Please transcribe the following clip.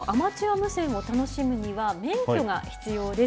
このアマチュア無線を楽しむには免許が必要です。